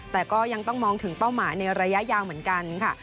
แต่ก็ยังต้องมองถึงเป้าหมายในระยะยาวเหมือนกันค่ะ